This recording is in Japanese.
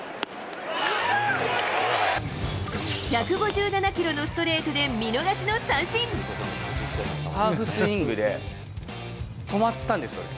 １５７キロのストレートで見逃しハーフスイングで止まったんですよね。